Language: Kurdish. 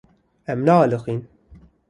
Em naaliqin.